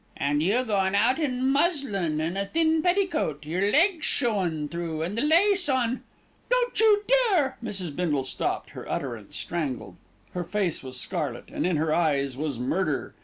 "And you goin' out in muslin and a thin petticoat, and yer legs showin' through and the lace on " "Don't you dare " Mrs. Bindle stopped, her utterance strangled. Her face was scarlet, and in her eyes was murder.